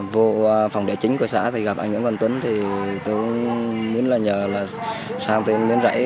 vô phòng địa chính của xã thì gặp anh nguyễn quang tuấn thì tôi muốn là nhờ là sang tên miếng rẫy